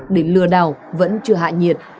để lừa đào vẫn chưa hạ nhiệt